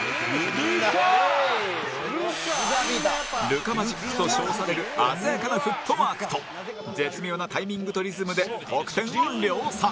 ルカ・マジックと称される鮮やかなフットワークと絶妙なタイミングとリズムで得点を量産